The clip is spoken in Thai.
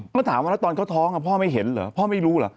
ก็ถามว่าแล้วตอนเขาท้องพ่อไม่เห็นเหรอพ่อไม่รู้เหรอ